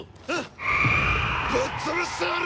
ぶっ潰してやる！